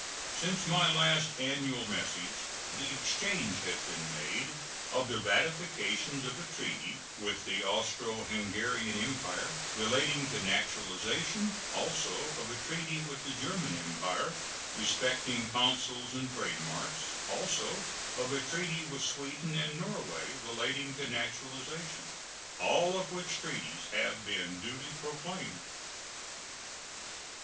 Since my last annual message the exchange has been made of the ratifications of a treaty with the Austro Hungarian Empire relating to naturalization; also of a treaty with the German Empire respecting consuls and trade marks; also of a treaty with Sweden and Norway relating to naturalization; all of which treaties have been duly proclaimed.